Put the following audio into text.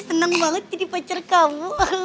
senang banget jadi pacar kamu